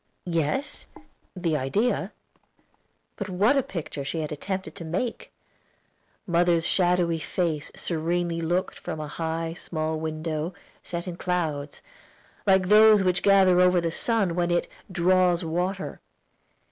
"Yes, the idea." But what a picture she had attempted to make! Mother's shadowy face serenely looked from a high, small window, set in clouds, like those which gather over the sun when it "draws water."